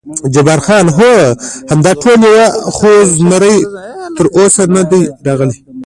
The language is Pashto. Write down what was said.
جبار خان: هو، همدا ټول یو، خو زمري تراوسه نه دی راغلی.